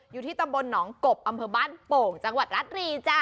อยู่ที่ตำบลหนองกบอำเภอบ้านโป่งจังหวัดรัฐรีจ้ะ